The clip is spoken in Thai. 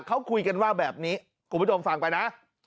เขาคุยกันว่าแบบนี้คุณผู้ชมฟังไปนะ